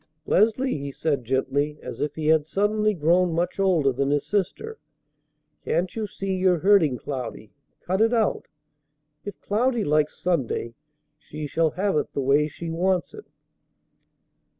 "Leslie," he said gently, as if he had suddenly grown much older than his sister, "can't you see you're hurting Cloudy? Cut it out! If Cloudy likes Sunday, she shall have it the way she wants it."